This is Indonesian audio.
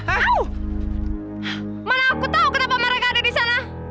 oh mana aku tahu kenapa mereka ada di sana